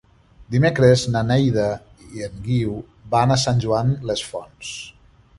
Dimecres na Neida i en Guiu van a Sant Joan les Fonts.